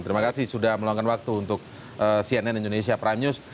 terima kasih sudah meluangkan waktu untuk cnn indonesia prime news